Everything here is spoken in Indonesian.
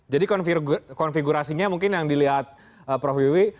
jadi konfigurasinya mungkin yang dilihat prof wiwi